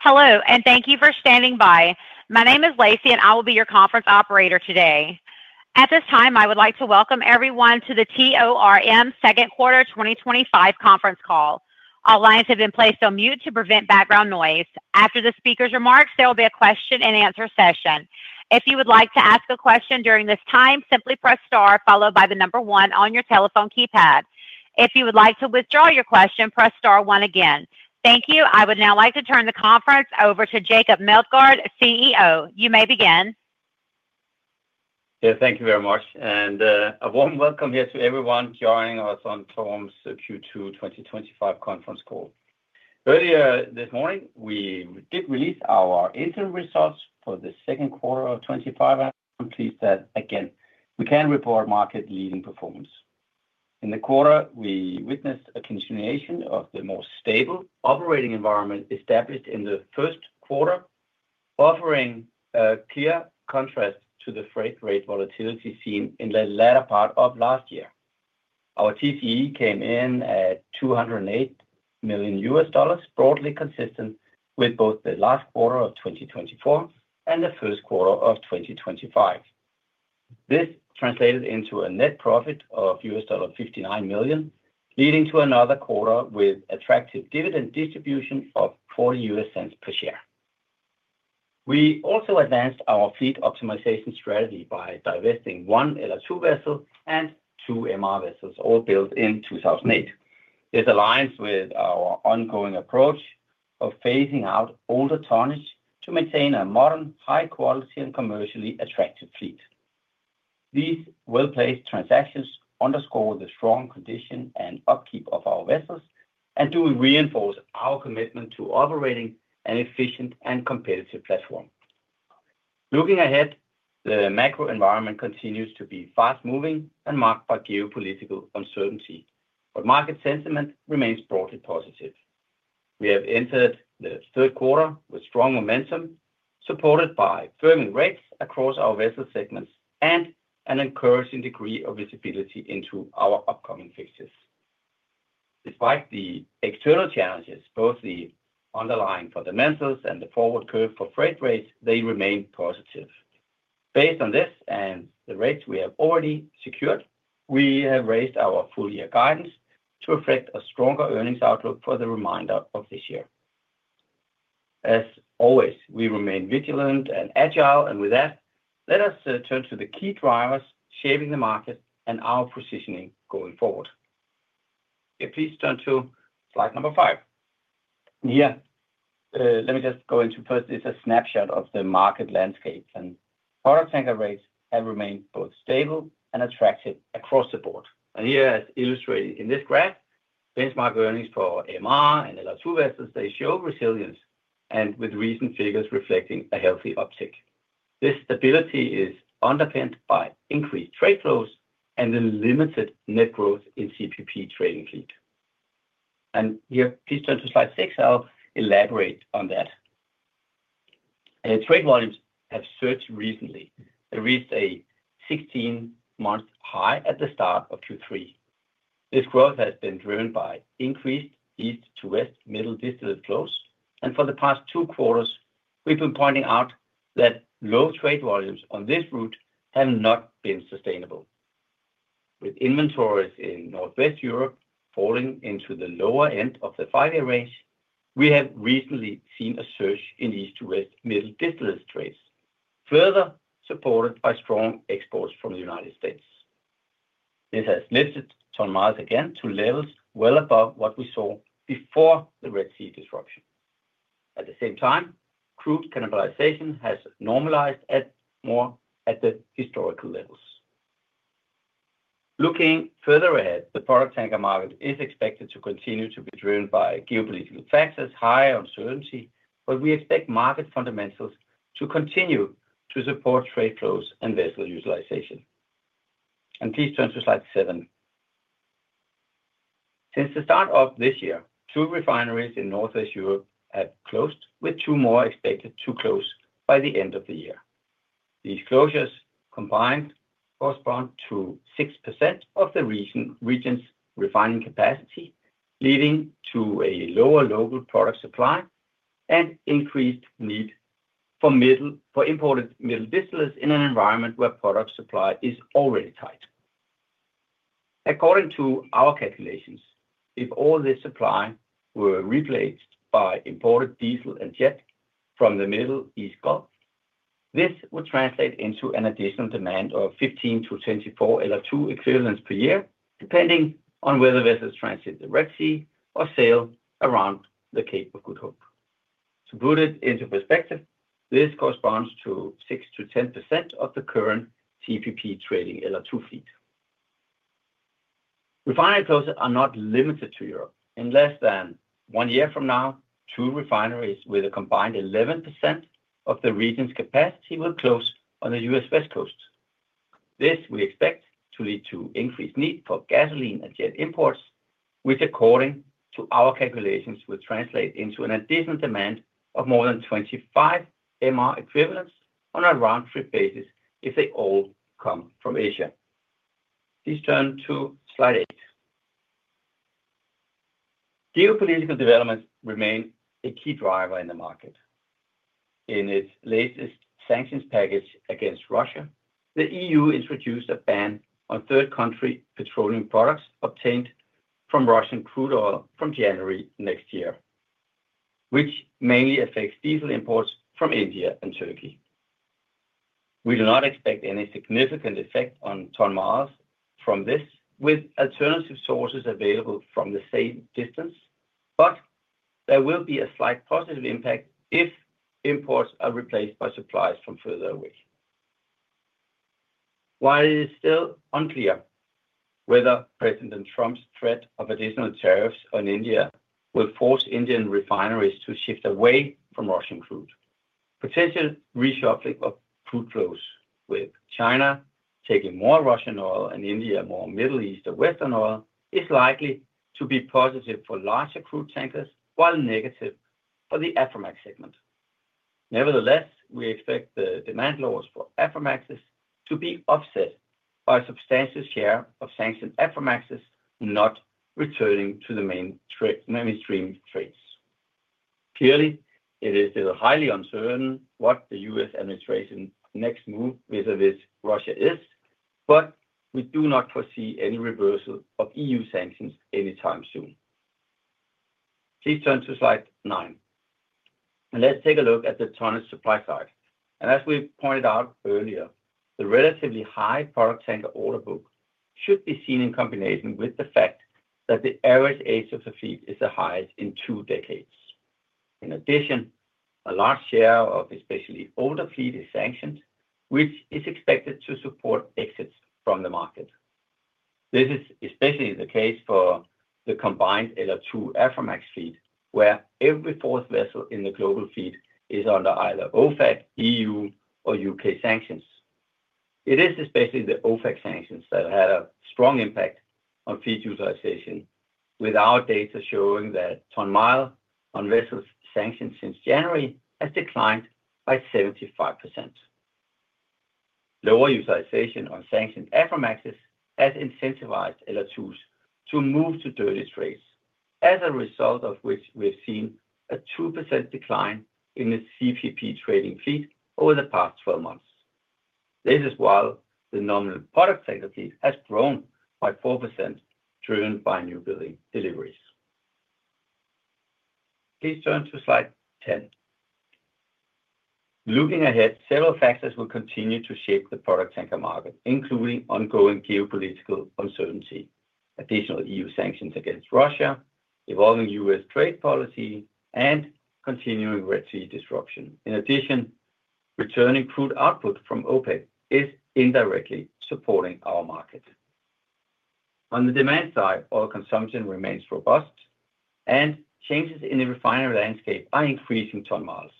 Hello, and thank you for standing by. My name is Lacey, and I will be your conference operator today. At this time, I would like to welcome everyone to the TORM Second Quarter 2025 Conference Call. All lines have been placed on mute to prevent background noise. After the speaker's remarks, there will be a question and answer session. If you would like to ask a question during this time, simply press star followed by the number one on your telephone keypad. If you would like to withdraw your question, press star one again. Thank you. I would now like to turn the conference over to Jacob Meldgaard, CEO. You may begin. Yeah, thank you very much. A warm welcome here to everyone joining us on TORM's Q2 2025 Conference Call. Earlier this morning, we did release our interim results for the second quarter of 2025, and I'm pleased that again we can report market-leading performance. In the quarter, we witnessed a continuation of the more stable operating environment established in the first quarter, offering a clear contrast to the freight rate volatility seen in the latter part of last year. Our TCE came in at $208 million, broadly consistent with both the last quarter of 2024 and the first quarter of 2025. This translated into a net profit of $59 million, leading to another quarter with attractive dividend distribution of $0.40 per share. We also advanced our fleet optimization strategy by divesting one LR2 vessel and two MR vessels, all built in 2008. This aligns with our ongoing approach of phasing out older tonnage to maintain a modern, high-quality, and commercially attractive fleet. These well-placed transactions underscore the strong condition and upkeep of our vessels and do reinforce our commitment to operating an efficient and competitive platform. Looking ahead, the macro environment continues to be fast-moving and marked by geopolitical uncertainty, but market sentiment remains broadly positive. We have entered the third quarter with strong momentum, supported by firming rates across our vessel segments and an encouraging degree of visibility into our upcoming fixtures. Despite the external challenges, both the underlying fundamentals and the forward curve for freight rates remain positive. Based on this and the rates we have already secured, we have raised our full-year guidance to reflect a stronger earnings outlook for the remainder of this year. As always, we remain vigilant and agile, and with that, let us turn to the key drivers shaping the market and our positioning going forward. Please turn to slide number five. Let me just go into first. This is a snapshot of the market landscape, and product tanker rates have remained both stable and attractive across the board. Here, as illustrated in this graph, benchmark earnings for MR and LR2 vessels show resilience and with recent figures reflecting a healthy uptick. This stability is underpinned by increased trade flows and the limited net fleet growth in CPP trading fleet. Here, please turn to slide six, I'll elaborate on that. Trade volumes have surged recently. They reached a 16-month high at the start of Q3. This growth has been driven by increased east-to-west middle distance flows. For the past two quarters, we've been pointing out that low trade volumes on this route have not been sustainable. With inventories in Northwest Europe falling into the lower end of the five-year range, we have recently seen a surge in east-to-west middle distance trades, further supported by strong exports from the United States. This has lifted ton miles again to levels well above what we saw before the Red Sea disruption. At the same time, crude cannibalization has normalized at more at the historical levels. Looking further ahead, the product tanker market is expected to continue to be driven by geopolitical factors and high uncertainty, but we expect market fundamentals to continue to support trade flows and vessel utilization. Please turn to slide seven. Since the start of this year, two refineries in Northwest Europe have closed, with two more expected to close by the end of the year. These closures combined correspond to 6% of the region's refining capacity, leading to a lower local product supply and increased need for imported middle distance in an environment where product supply is already tight. According to our calculations, if all this supply were replaced by imported diesel and jet from the Middle East Gulf, this would translate into an additional demand of 15 to 24 LR2 equivalents per year, depending on whether vessels transit the Red Sea or sail around the Cape of Good Hope. To put it into perspective, this corresponds to 6% to 10% of the current CPP trading LR2 fleet. Refineries are not limited to Europe. In less than one year from now, two refineries with a combined 11% of the region's capacity will close on the US West Coast. This we expect to lead to increased need for gasoline and jet imports, which according to our calculations will translate into an additional demand of more than 25 MR equivalents on a round-trip basis if they all come from Asia. Please turn to slide eight. Geopolitical developments remain a key driver in the market. In its latest sanctions package against Russia, the EU introduced a ban on third country petroleum products obtained from Russian crude oil from January next year, which mainly affects diesel imports from India and Turkey. We do not expect any significant effect on ton miles from this, with alternative sources available from the same distance, but there will be a slight positive impact if imports are replaced by supplies from further away. While it is still unclear whether President Trump's threat of additional tariffs on India will force Indian refineries to shift away from Russian crude, potential reshopping of crude flows with China taking more Russian oil and India more Middle Eastern Western oil is likely to be positive for larger crude tankers while negative for the Afromax segment. Nevertheless, we expect the demand loss for Afromaxes to be offset by a substantial share of sanctioned Afromaxes not returning to the mainstream trades. Clearly, it is still highly uncertain what the U.S. administration's next move vis-a-vis Russia is, but we do not foresee any reversal of EU sanctions anytime soon. Please turn to slide nine. Let's take a look at the tonnage supply side. As we pointed out earlier, the relatively high product tanker order book should be seen in combination with the fact that the average exits of the fleet is the highest in two decades. In addition, a large share of especially older fleet is sanctioned, which is expected to support exits from the market. This is especially the case for the combined LR2 Afromax fleet, where every fourth vessel in the global fleet is under either OFAC, EU, or UK sanctions. It is especially the OFAC sanctions that had a strong impact on fleet utilization, with our data showing that ton mile on vessels sanctioned since January has declined by 75%. Lower utilization on sanctioned Afromaxes has incentivized LR2s to move to dirty trades, as a result of which we have seen a 2% decline in the CPP trading fleet over the past 12 months. This is while the nominal product tanker fleet has grown by 4%, driven by new deliveries. Please turn to slide 10. Looking ahead, several factors will continue to shape the product tanker market, including ongoing geopolitical uncertainty, additional EU sanctions against Russia, evolving U.S. trade policy, and continuing Red Sea disruption. In addition, returning crude output from OPEC is indirectly supporting our market. On the demand side, oil consumption remains robust, and changes in the refinery landscape are increasing ton miles.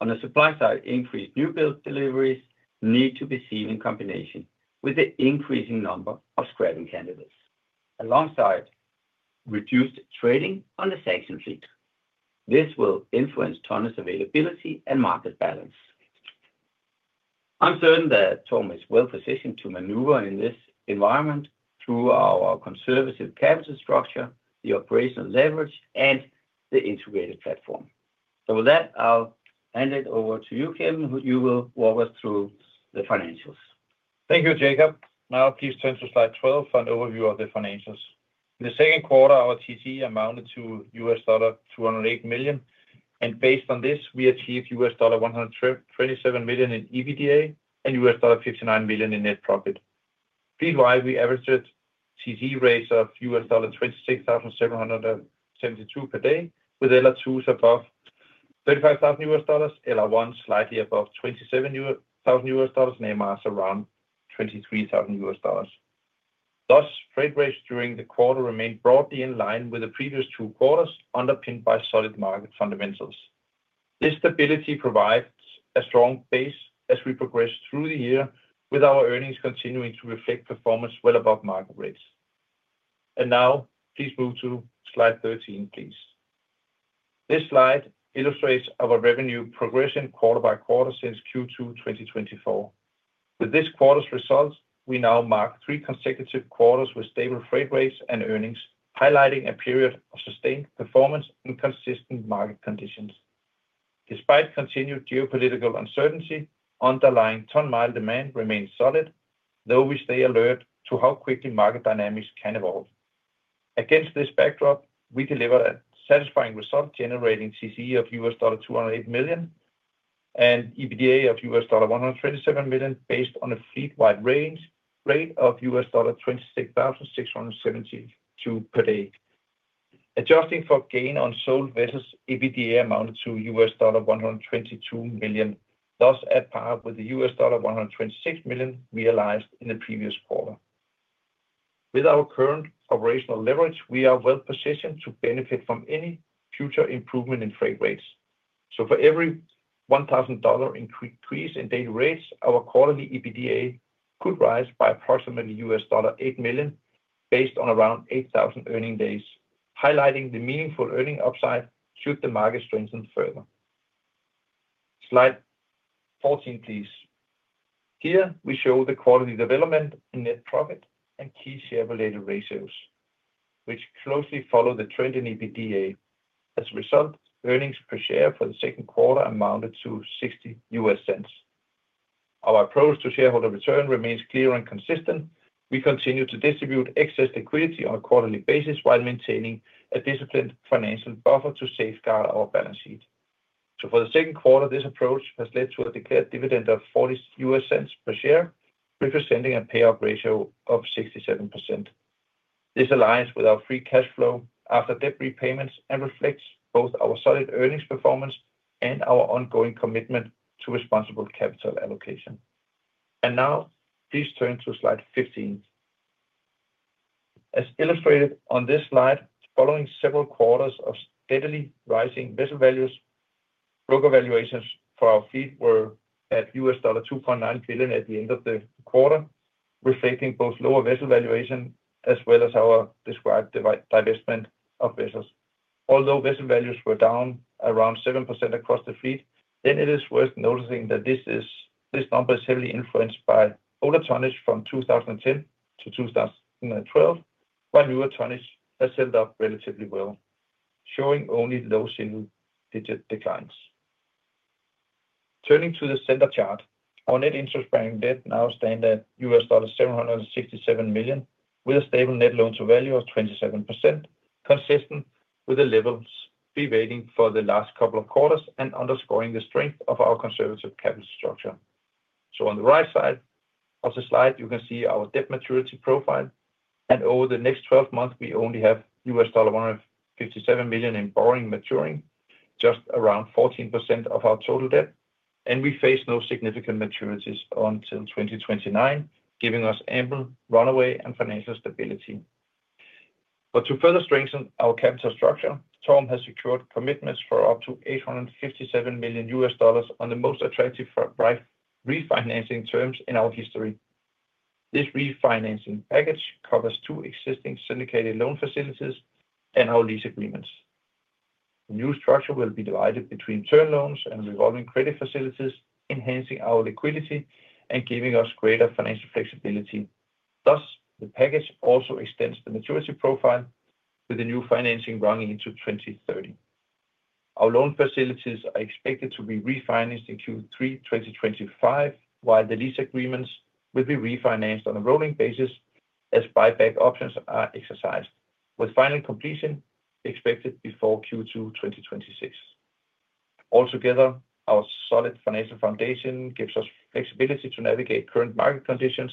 On the supply side, increased newbuild deliveries need to be seen in combination with the increasing number of scrapping candidates, alongside reduced trading on the sanctioned fleet. This will influence tonnage availability and market balance. I'm certain that TORM is well positioned to maneuver in this environment through our conservative capital structure, the operational leverage, and the integrated platform. With that, I'll hand it over to you, Kim, who will walk us through the financials. Thank you, Jacob. Now please turn to slide 12 for an overview of the financials. In the second quarter, our TCE amounted to $208 million, and based on this, we achieved $127 million in EBITDA and $59 million in net profit. Fleet-wide, we averaged TCE rates of $26,772 per day, with LR2s above $35,000, LR1s slightly above $27,000, and MRs around $23,000. Lost freight rates during the quarter remain broadly in line with the previous two quarters, underpinned by solid market fundamentals. This stability provides a strong base as we progress through the year, with our earnings continuing to reflect performance well above market rates. Please move to slide 13. This slide illustrates our revenue progression quarter by quarter since Q2 2024. With this quarter's results, we now mark three consecutive quarters with stable freight rates and earnings, highlighting a period of sustained performance in consistent market conditions. Despite continued geopolitical uncertainty, underlying ton mile demand remains solid, though we stay alert to how quickly market dynamics can evolve. Against this backdrop, we delivered a satisfying result, generating TCE of $208 million and EBITDA of $127 million, based on a fleet-wide range rate of $26,672 per day. Adjusting for gain on sold vessels, EBITDA amounted to $122 million, at par with the $126 million realized in the previous quarter. With our current operational leverage, we are well positioned to benefit from any future improvement in freight rates. For every $1,000 increase in daily rates, our quarterly EBITDA could rise by approximately $8 million, based on around 8,000 earning days, highlighting the meaningful earning upside should the market strengthen further. Slide 14, please. Here, we show the quarterly development in net profit and key share-related ratios, which closely follow the trend in EBITDA. As a result, earnings per share for the second quarter amounted to $0.60. Our approach to shareholder return remains clear and consistent. We continue to distribute excess liquidity on a quarterly basis while maintaining a disciplined financial buffer to safeguard our balance sheet. For the second quarter, this approach has led to a declared dividend of $0.40 per share, representing a payout ratio of 67%. This aligns with our free cash flow after debt repayments and reflects both our solid earnings performance and our ongoing commitment to responsible capital allocation. Please turn to slide 15. As illustrated on this slide, following several quarters of steadily rising vessel values, local valuations for our fleet were at $2.9 billion at the end of the quarter, reflecting both lower vessel valuation as well as our described divestment of vessels. Although vessel values were down around 7% across the fleet, it is worth noticing that this number is heavily influenced by older tonnage from 2010 to 2012, while newer tonnage has held up relatively well, showing only low single-digit declines. Turning to the center chart, our net interest-bearing debt now stands at $767 million, with a stable net loan-to-value of 27%, consistent with the levels prevailing for the last couple of quarters and underscoring the strength of our conservative capital structure. On the right side of the slide, you can see our debt maturity profile. Over the next 12 months, we only have $157 million in borrowing maturing, just around 14% of our total debt, and we face no significant maturities until 2029, giving us ample runway and financial stability. To further strengthen our capital structure, TORM has secured commitments for up to $857 million on the most attractive refinancing terms in our history. This refinancing package covers two existing syndicated loan facilities and our lease agreements. The new structure will be divided between term loans and revolving credit facilities, enhancing our liquidity and giving us greater financial flexibility. The package also extends the maturity profile with the new financing running into 2030. Our loan facilities are expected to be refinanced in Q3 2025, while the lease agreements will be refinanced on a rolling basis as buyback options are exercised, with final completion expected before Q2 2026. Altogether, our solid financial foundation gives us flexibility to navigate current market conditions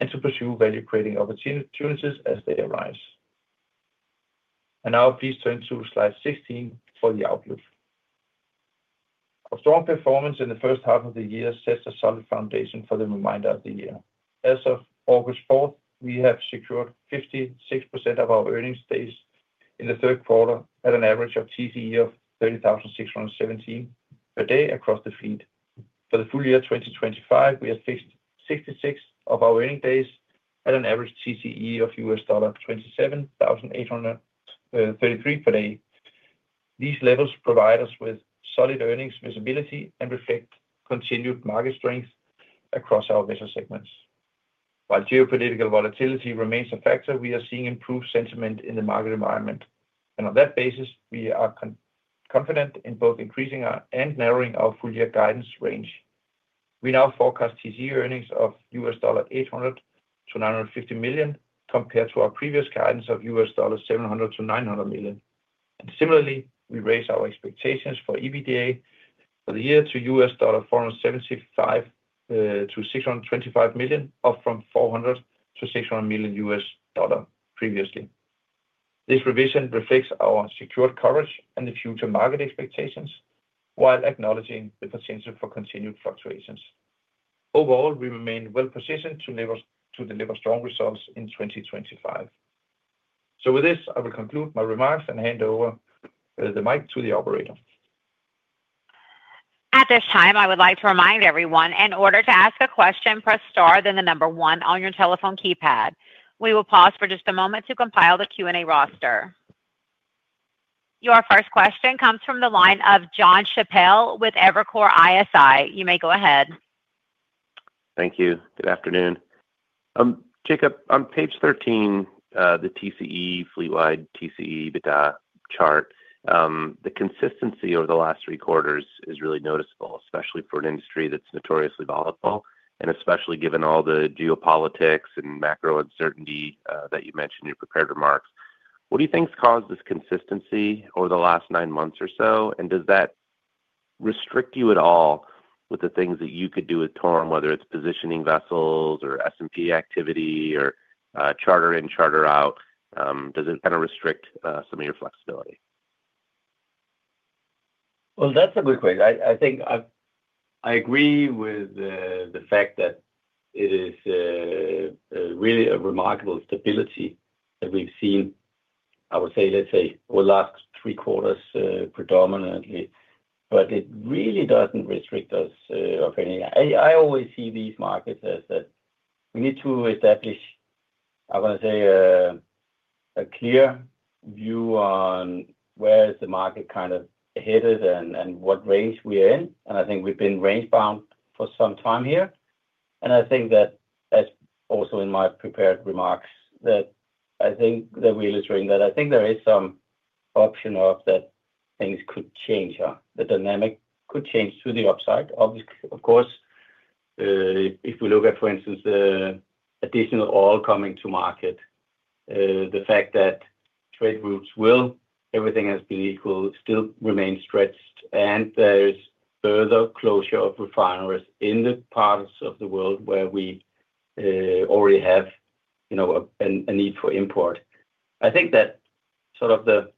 and to pursue value-creating opportunities as they arise. Please turn to slide 16 for the outlook. A strong performance in the first half of the year sets a solid foundation for the remainder of the year. As of August 4, we have secured 56% of our earnings days in the third quarter at an average TCE of $30,617 per day across the fleet. For the full year 2025, we have fixed 66 of our earning days at an average TCE of $27,833 per day. These levels provide us with solid earnings visibility and reflect continued market strength across our vessel segments. While geopolitical volatility remains a factor, we are seeing improved sentiment in the market environment. On that basis, we are confident in both increasing our and narrowing our full-year guidance range. We now forecast TCE earnings of $800 to $950 million compared to our previous guidance of $700 to $900 million. Similarly, we raise our expectations for EBITDA for the year to $475 to $625 million, up from $400 to $600 million previously. This revision reflects our secured coverage and the future market expectations, while acknowledging the potential for continued fluctuations. Overall, we remain well positioned to deliver strong results in 2025. I will conclude my remarks and hand over the mic to the operator. At this time, I would like to remind everyone, in order to ask a question, press star then the number one on your telephone keypad. We will pause for just a moment to compile the Q&A roster. Your first question comes from the line of John Chappell with Evercore ISI. You may go ahead. Thank you. Good afternoon. I'm Jacob. On page 13, the fleet-wide TCE EBITDA chart, the consistency over the last three quarters is really noticeable, especially for an industry that's notoriously volatile, and especially given all the geopolitics and macro uncertainty that you mentioned in your prepared remarks. What do you think has caused this consistency over the last nine months or so, and does that restrict you at all with the things that you could do with TORM, whether it's positioning vessels or S&P activity or charter in, charter out? Does it kind of restrict some of your flexibility? That's a good question. I think I agree with the fact that it is really a remarkable stability that we've seen, I would say, over the last three quarters predominantly, but it really doesn't restrict us of any. I always see these markets as that we need to establish, I want to say, a clear view on where is the market kind of headed and what range we are in. I think we've been range-bound for some time here. I think that, as also in my prepared remarks, I think that we illustrate that I think there is some option of that things could change here. The dynamic could change to the upside. Obviously, of course, if we look at, for instance, the additional oil coming to market, the fact that trade routes will, everything has been equal, still remain stretched, and there is further closure of refineries in the parts of the world where we already have a need for import. I think that sort of the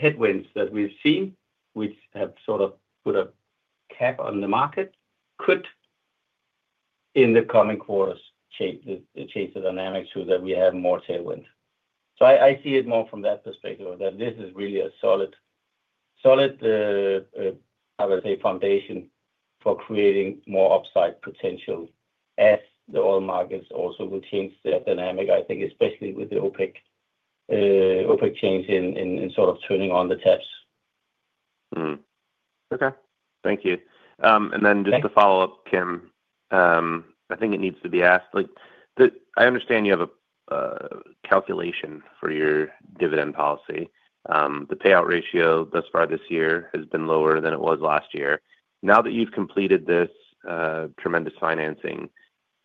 headwinds that we've seen, which have sort of put a cap on the market, could, in the coming quarters, change the dynamics so that we have more tailwind. I see it more from that perspective that this is really a solid, solid, I would say, foundation for creating more upside potential as the oil markets also will change their dynamic, I think, especially with the OPEC change in sort of turning on the taps. Thank you. Just to follow up, Kim, I think it needs to be asked, like, I understand you have a calculation for your dividend policy. The payout ratio thus far this year has been lower than it was last year. Now that you've completed this tremendous financing,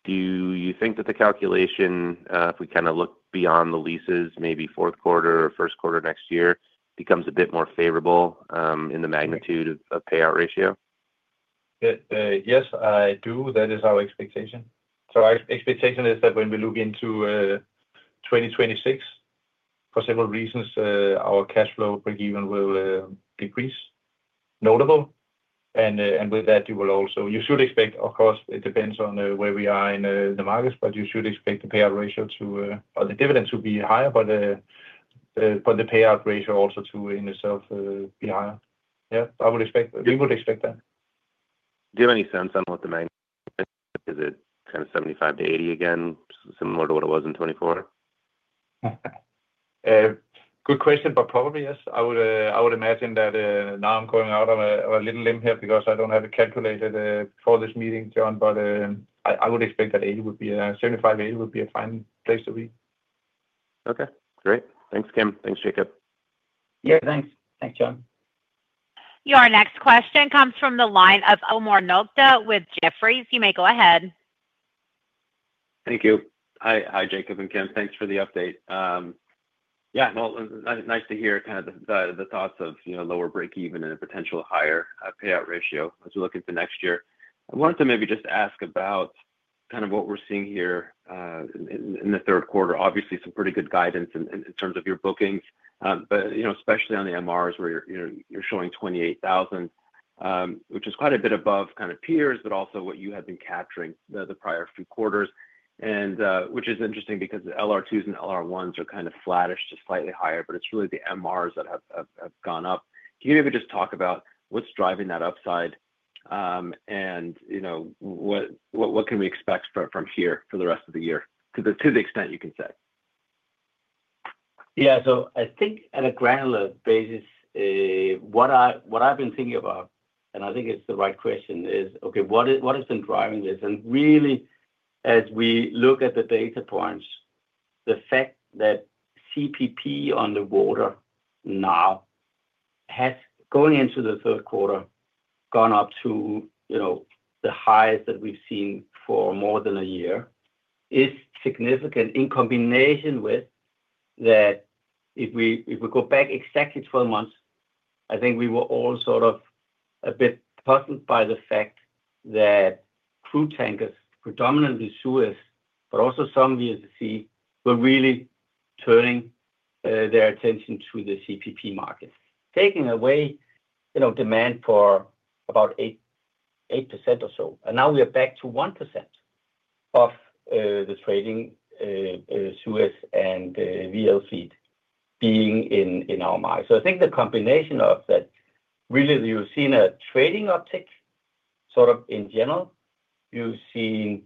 do you think that the calculation, if we kind of look beyond the leases, maybe fourth quarter or first quarter next year, becomes a bit more favorable in the magnitude of payout ratio? Yes, I do. That is our expectation. Our expectation is that when we look into 2026, for several reasons, our cash flow per given will decrease notably. With that, you should expect, of course it depends on where we are in the markets, but you should expect the payout ratio to, or the dividends to be higher, and the payout ratio also to, in itself, be higher. Yeah, I would expect, we would expect that. Do you have any sense on what the main, is it kind of 75 to 80 again, similar to what it was in 2024? Good question, but probably yes. I would imagine that now I'm going out on a little limb here because I don't have it calculated for this meeting, John, but I would expect that 80 would be a 75, 80 would be a fine place to be. Okay. Great. Thanks, Kim. Thanks, Jacob. Yeah, thanks. Thanks, John. Your next question comes from the line of Omar Nokta with Jefferies. You may go ahead. Thank you. Hi, Jacob and Kim. Thanks for the update. Nice to hear kind of the thoughts of, you know, lower breakeven and a potential higher payout ratio as we look into next year. I wanted to maybe just ask about kind of what we're seeing here in the third quarter. Obviously, some pretty good guidance in terms of your bookings, especially on the MRs where you're showing $28,000, which is quite a bit above kind of peers, but also what you had been capturing the prior few quarters. This is interesting because the LR2s and LR1s are kind of flattish to slightly higher, but it's really the MRs that have gone up. Can you maybe just talk about what's driving that upside and what can we expect from here for the rest of the year to the extent you can say? Yeah, I think on a granular basis, what I've been thinking about, and I think it's the right question, is, okay, what has been driving this? Really, as we look at the data points, the fact that CPP on the water now has, going into the third quarter, gone up to the highest that we've seen for more than a year is significant. In combination with that, if we go back exactly 12 months, I think we were all sort of a bit puzzled by the fact that crude tankers, predominantly Suez, but also some we see, were really turning their attention to the CPP market, taking away demand for about 8% or so. Now we are back to 1% of the trading Suez and VL fleet being in our minds. I think the combination of that, really, you've seen a trading uptick in general. You've seen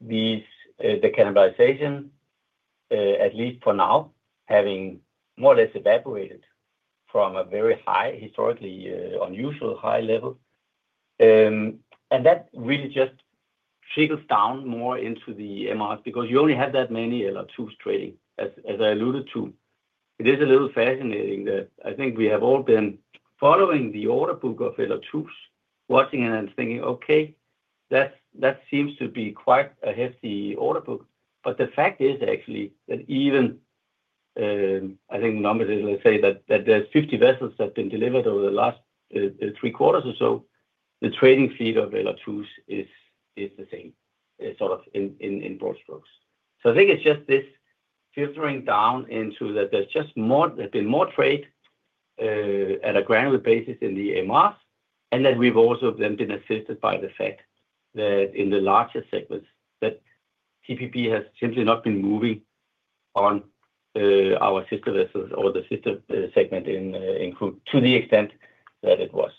the cannibalization, at least for now, having more or less evaporated from a very high, historically unusual high level. That really just trickles down more into the MRs because you only have that many LR2s trading. As I alluded to, it is a little fascinating that I think we have all been following the order book of LR2s, watching it and thinking, okay, that seems to be quite a hefty order book. The fact is actually that even, I think, let's say that there's 50 vessels that have been delivered over the last three quarters or so, the trading feed of LR2s is the same, sort of in broad strokes. I think it's just this filtering down into that there's just more, there's been more trade at a granular basis in the MRs and that we've also then been assisted by the fact that in the larger segments, that CPP has simply not been moving on our sister vessels or the sister segment in crude to the extent that it was.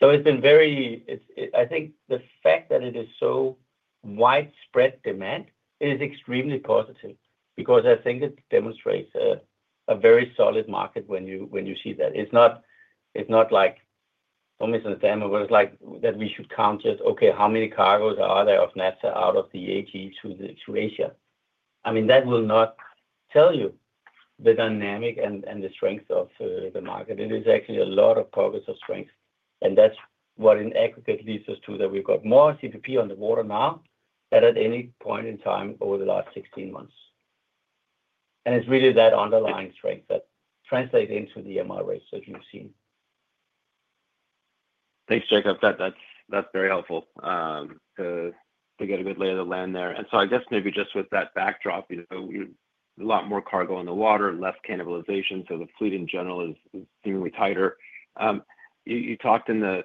It has been very, I think the fact that it is so widespread demand is extremely positive because I think it demonstrates a very solid market when you see that. It's not like almost a demo where we should count just, okay, how many cargoes are there of NAFTA out of the AT to Asia? I mean, that will not tell you the dynamic and the strength of the market. It's actually a lot of pockets of strength. That's what in aggregate leads us to that we've got more CPP on the water now than at any point in time over the last 16 months. It's really that underlying strength that translates into the MR rates that you've seen. Thanks, Jacob. That's very helpful. We get a good lay of the land there. I guess maybe just with that backdrop, you know, a lot more cargo on the water, less cannibalization. The fleet in general is even tighter. You talked in the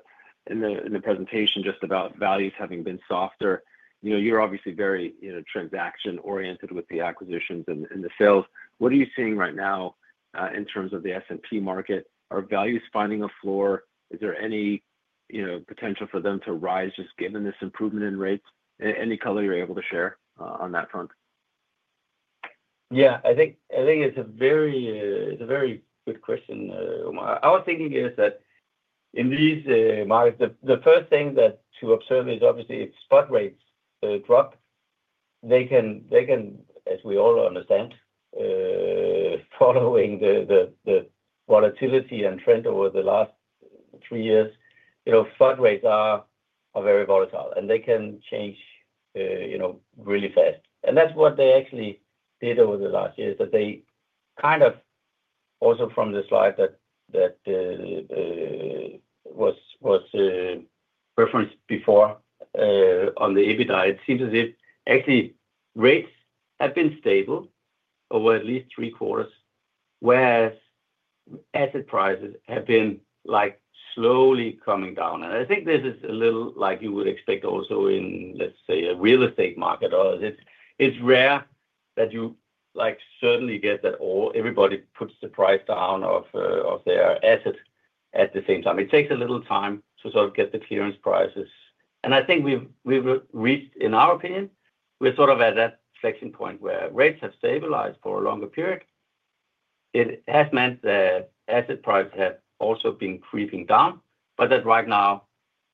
presentation just about values having been softer. You're obviously very transaction-oriented with the acquisitions and the sales. What are you seeing right now in terms of the S&P market? Are values finding a floor? Is there any, you know, potential for them to rise just given this improvement in rates? Any color you're able to share on that front? Yeah, I think it's a very, it's a very good question. Our thinking is that in these markets, the first thing to observe is obviously spot rates drop. They can, as we all understand, following the volatility and trend over the last three years, you know, spot rates are very volatile and they can change, you know, really fast. That's what they actually did over the last year is that they kind of also from the slide that was referenced before on the EBITDA, it seems as if actually rates have been stable over at least three quarters, whereas asset values have been like slowly coming down. I think this is a little like you would expect also in, let's say, a real estate market. It's rare that you like certainly get that all everybody puts the price down of their asset at the same time. It takes a little time to sort of get the clearance prices. I think we've reached, in our opinion, we're sort of at that flexion point where rates have stabilized for a longer period. It has meant that asset values have also been creeping down, but right now,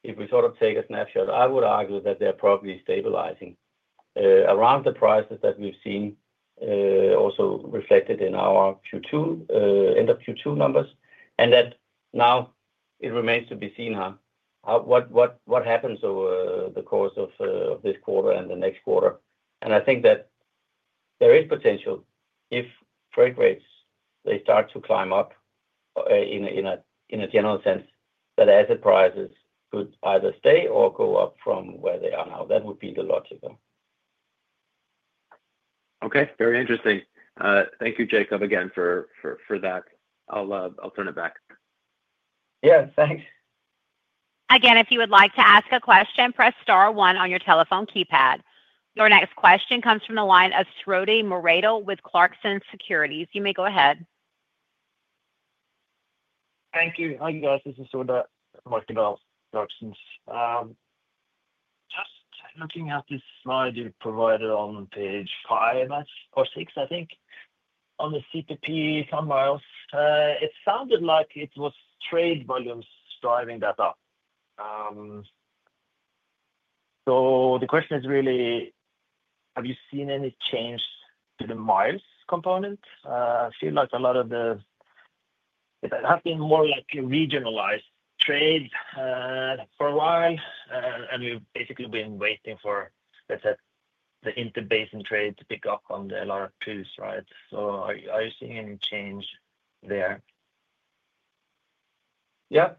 if we sort of take a snapshot, I would argue that they're probably stabilizing around the prices that we've seen also reflected in our Q2, end of Q2 numbers, and that now it remains to be seen what happens over the course of this quarter and the next quarter. I think that there is potential if freight rates, they start to climb up in a general sense that asset values could either stay or go up from where they are now. That would be the logic, though. Okay. Very interesting. Thank you, Jacob, again for that. I'll turn it back. Yeah, thanks. Again, if you would like to ask a question, press star one on your telephone keypad. Your next question comes from the line of Frode Morkedal with Clarksons Securities. You may go ahead. Thank you. Hi, guys. This is Srody from Clarksons Securities. Just looking at the slide you provided on page five or six, I think, on the CPP ton miles, it sounded like it was trade volumes driving that up. The question is really, have you seen any change to the miles component? I feel like a lot of it has been more like a regionalized trade for a while, and we've basically been waiting for, let's say, the interbasing trade to pick up on the LR2s, right? Are you seeing any change there? Yeah.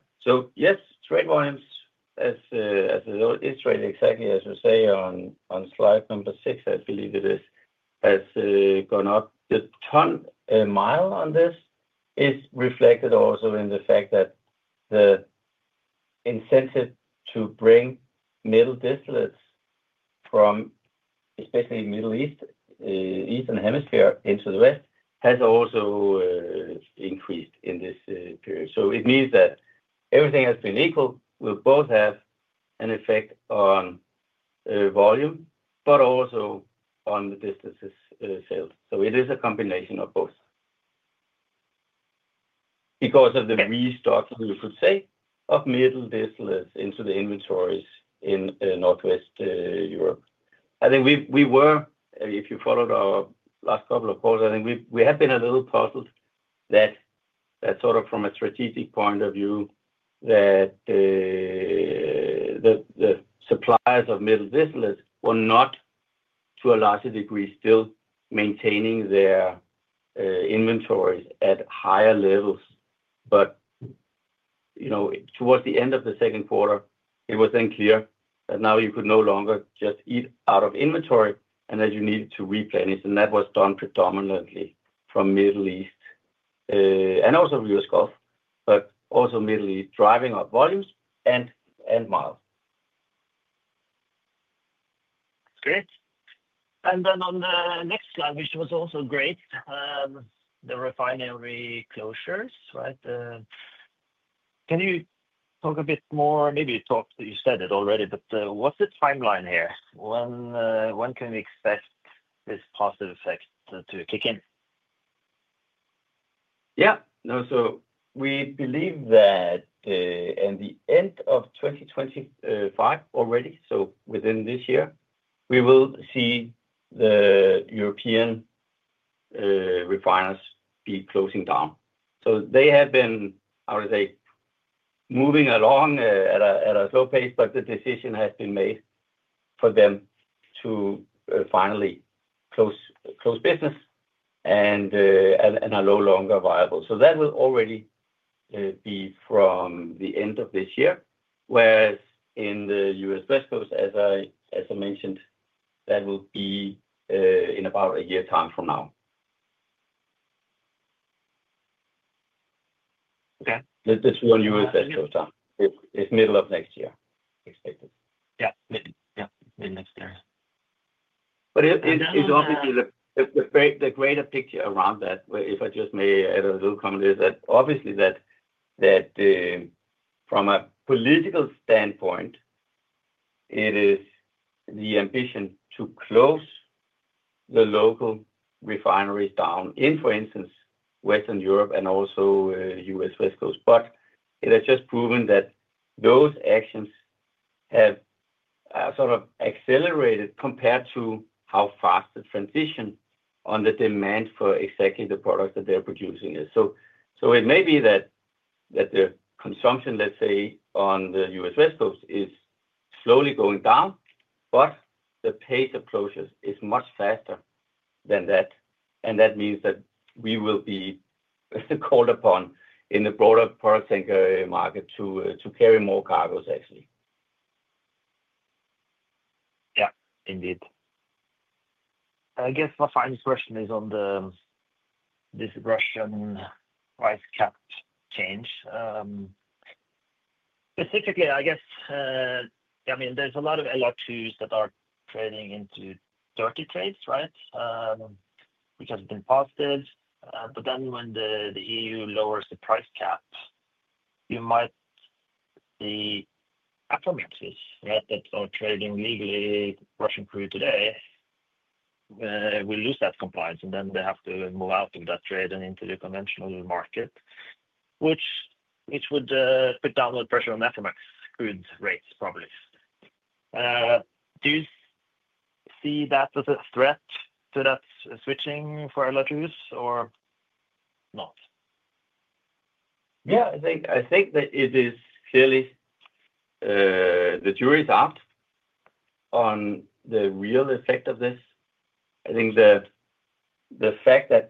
Yes, trade volumes, as a result, is trading, exactly as I say on slide number six, I believe it is, has gone up. The ton mile on this is reflected also in the fact that the incentive to bring middle distance from especially Middle East, Eastern Hemisphere into the West has also increased in this period. It means that everything has been equal. We both have an effect on volume, but also on the distances sailed. It is a combination of both. Because of the restock, we could say, of middle distance into the inventories in Northwest Europe. If you followed our last couple of quarters, I think we had been a little puzzled that from a strategic point of view, the suppliers of middle distance were not, to a larger degree, still maintaining their inventories at higher levels. Towards the end of the second quarter, it was then clear that now you could no longer just eat out of inventory unless you needed to replenish. That was done predominantly from Middle East and also U.S. Gulf, but also Middle East driving up volumes and miles. Great. On the next slide, which was also great, the refinery closures, right. Can you talk a bit more, maybe talk, you said it already, but what's the timeline here? When can we expect this positive effect to kick in? Yeah. We believe that in the end of 2025 already, so within this year, we will see the European refiners be closing down. They have been, I would say, moving along at a slow pace, but the decision has been made for them to finally close business and are no longer viable. That will already be from the end of this year, whereas in the U.S. West Coast, as I mentioned, that will be in about a year's time from now. Okay, this is one U.S. West Coast time. It's middle of next year, expected. Yeah, yeah, mid-next year. It's obviously the greater picture around that, if I just may add a little comment, that from a political standpoint, it is the ambition to close the local refineries down in, for instance, Northwest Europe and also the US West Coast. It has just proven that those actions have sort of accelerated compared to how fast the transition on the demand for exactly the products that they're producing is. It may be that the consumption, let's say, on the US West Coast is slowly going down, but the pace of closures is much faster than that. That means we will be called upon in the broader product tanker market to carry more cargoes, actually. Yeah, indeed. I guess my final question is on the discussion of the price cap change. Specifically, I guess, I mean, there's a lot of LR2s that are trading into dirty trades, right? Because it's been positive. When the EU lowers the price cap, you might see Afromaxes, right, that are trading legally Russian crude today, will lose that compliance. They have to move out of that trade and into the conventional market, which would put downward pressure on Afromax crude rates, probably. Do you see that as a threat to that switching for LR2s or not? Yeah, I think that it is clearly the jury's out on the real effect of this. I think the fact that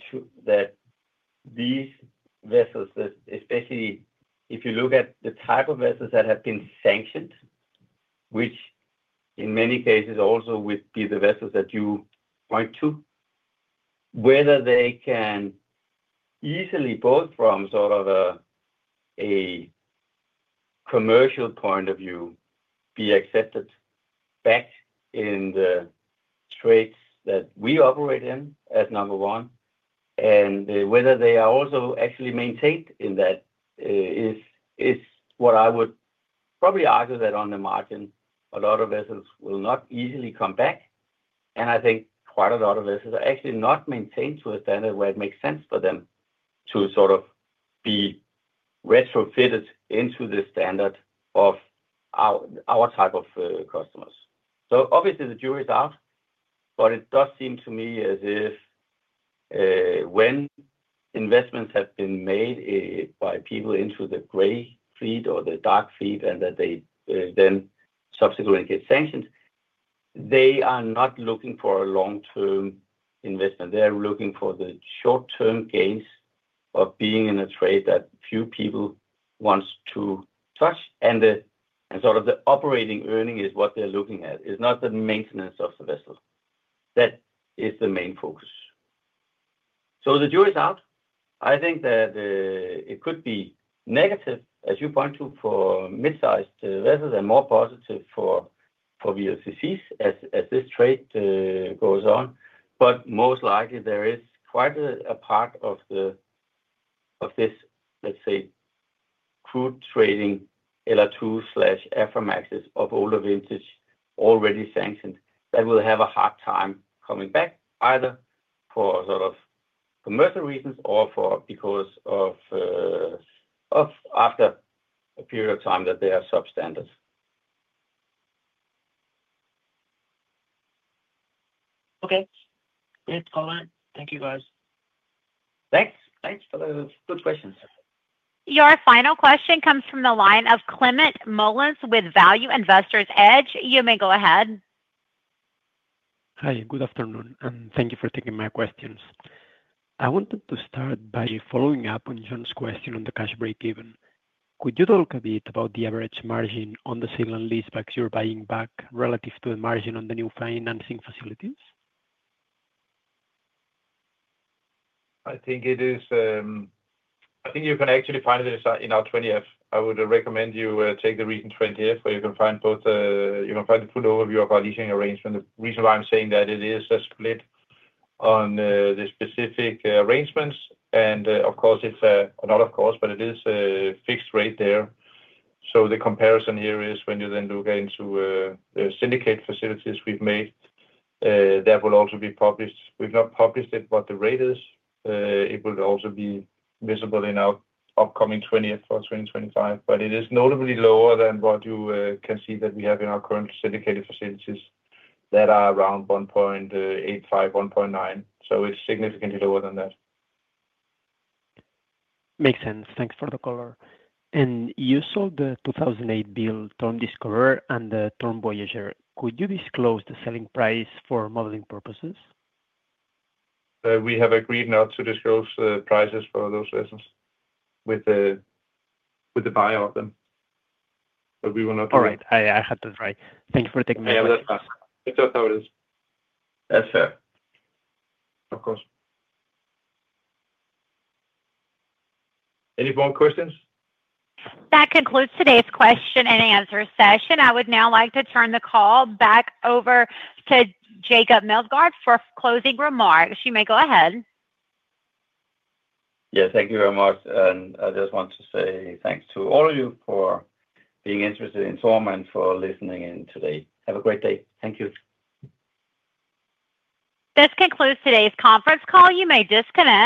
these vessels, especially if you look at the type of vessels that have been sanctioned, which in many cases also would be the vessels that you point to, whether they can easily, both from sort of a commercial point of view, be accepted back in the trade that we operate in as number one, and whether they are also actually maintained in that is what I would probably argue that on the margin, a lot of vessels will not easily come back. I think quite a lot of vessels are actually not maintained to a standard where it makes sense for them to sort of be retrofitted into the standard of our type of customers. The jury's out, but it does seem to me as if when investments have been made by people into the gray fleet or the dark fleet and that they then subsequently get sanctioned, they are not looking for a long-term investment. They're looking for the short-term gains of being in a trade that few people want to touch. The operating earning is what they're looking at. It's not the maintenance of the vessel. That is the main focus. The jury's out. I think that it could be negative, as you point to, for mid-sized vessels and more positive for VLCCs as this trade goes on. Most likely, there is quite a part of this, let's say, crude trading LR2s or Aframaxes of older vintage already sanctioned that will have a hard time coming back either for commercial reasons or because after a period of time they are substandard. Okay. Yeah, it's all right. Thank you, guys. Thanks. Thanks for the good questions. Your final question comes from the line of Clement Mullins with Value Investors Edge. You may go ahead. Hi, good afternoon, and thank you for taking my questions. I wanted to start by following up on John's question on the cash break-even. Could you talk a bit about the average margin on the sale and leasebacks you're buying back relative to the margin on the new financing facilities? I think it is, I think you can actually find it in our 20-F. I would recommend you take the recent 20-F where you can find both, you can find a full overview of our leasing arrangement. The reason why I'm saying that is it is a split on the specific arrangements. It is a fixed rate there. The comparison here is when you then look into the syndicate facilities we've made, that will also be published. We've not published it, but the rate is, it will also be visible in our upcoming 20-F for 2025. It is notably lower than what you can see that we have in our current syndicated facilities that are around 1.85, 1.9. It is significantly lower than that. Makes sense. Thanks for the cover. You sold the 2008 build TORM Discoverer and the TORM Voyager. Could you disclose the selling price for modeling purposes? We have agreed not to disclose the prices for those vessels with the buyer of them. We will not do that. All right. Thank you for taking me away. That's fair. Of course. Any more questions? That concludes today's question and answer session. I would now like to turn the call back over to Jacob Meldgaard for closing remarks. You may go ahead. Thank you very much. I just want to say thanks to all of you for being interested in TORM and for listening in today. Have a great day. Thank you. This concludes today's conference call. You may disconnect.